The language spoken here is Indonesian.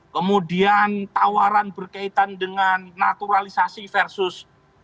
kemudian tawaran berkaitan dengan naturalisasi versus